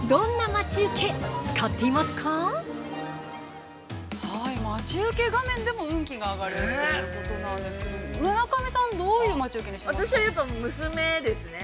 ◆待ち受け画面でも運気が上がるということなんですけども村上さん、どういう待ち受けにしてますか？